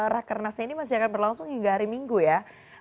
rakernasnya ini masih akan berlangsung hingga hari minggu ya